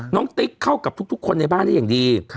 ติ๊กเข้ากับทุกคนในบ้านได้อย่างดี